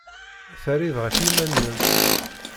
Terrid ɣef yiman-nnem.